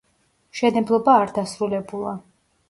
მშენებლობა არ დასრულებულა.